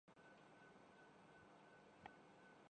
یہاں کے سرکاری ہسپتال بہت بہتر ہیں۔